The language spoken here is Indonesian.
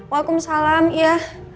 wa'alaikum salam iya